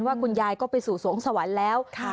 ว่าคุณยายก็ไปสู่สวงสวรรค์แล้ว